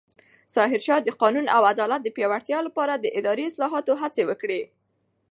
ظاهرشاه د قانون او عدالت د پیاوړتیا لپاره د اداري اصلاحاتو هڅې وکړې.